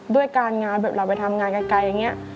ด้วยการงานแบบเราไปทำงานไกลอย่างนี้